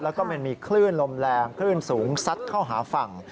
แล้วก็มันมีคลื่นลมแรงคลื่นสูงซัดเข้าหาฝั่ง